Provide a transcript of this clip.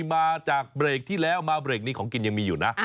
มาจากเบรกที่แล้วมาเบรกนี้ของกินยังมีอยู่นะ